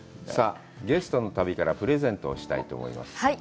さあ、ゲストの旅からプレゼントをしたいと思います。